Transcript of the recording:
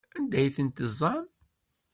Anda ay tent-teẓẓam?